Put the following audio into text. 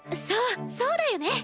そうそうだよね。